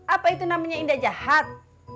apa itu namanya indah jahat